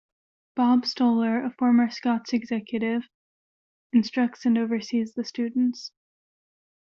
Bob Stohler, a former Scotts executive, instructs and oversees the students.